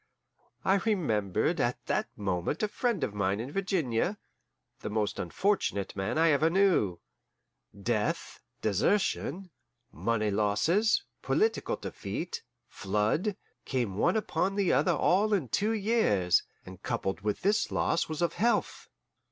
I remembered at that moment a friend of mine in Virginia, the most unfortunate man I ever knew. Death, desertion, money losses, political defeat, flood, came one upon the other all in two years, and coupled with this was loss of health.